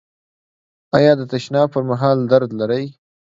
ایا د تشناب پر مهال درد لرئ؟